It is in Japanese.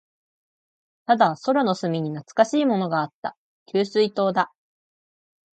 ただ、空の隅に懐かしいものがあった。給水塔だ。